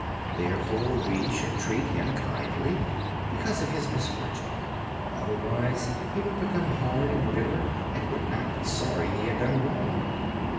Therefore we should treat him kindly, because of his misfortune, for otherwise he would become hard and bitter and would not be sorry he had done wrong.